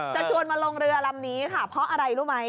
จะชวนมาลงเรือลำนี้ค่ะเพราะอะไรรู้ไหม